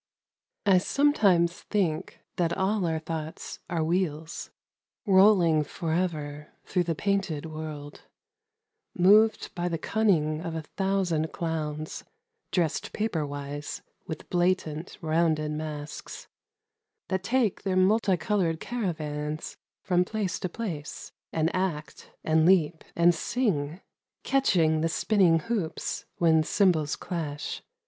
WHEELS. I SOMETIMES think that all our thoughts are wheels Rolling forever through the painted world, Moved by the cunning of a thousand clowns Dressed paper wise, with blatant rounded masks, That take their multi coloured caravans From place to place, and act and leap and sing, Catching the spinning hoops when cymbals clash.